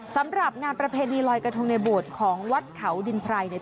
สำหรับงานประเพณีลอยกระทงในโบสถ์ของวัดเขาดินไพรเนี่ย